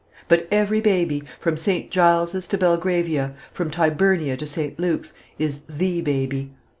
But every baby, from St. Giles's to Belgravia, from Tyburnia to St. Luke's, is "the" baby.